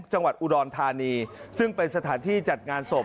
จังหวัดอุดรธานีซึ่งเป็นสถานที่จัดงานศพ